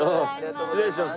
失礼します。